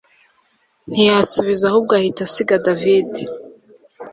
ntiyasubiza ahubwo ahita asiga david